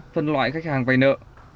phân loại khách hàng vai nợ